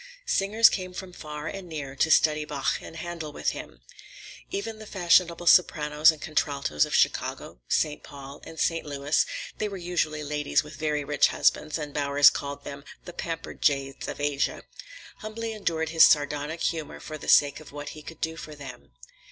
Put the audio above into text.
Singers came from far and near to study Bach and Handel with him. Even the fashionable sopranos and contraltos of Chicago, St. Paul, and St. Louis (they were usually ladies with very rich husbands, and Bowers called them the "pampered jades of Asia") humbly endured his sardonic humor for the sake of what he could do for them.